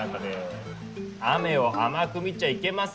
雨を甘く見ちゃいけませんよ！